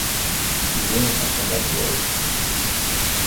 In a minute I shall melt away.